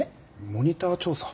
モニター調査？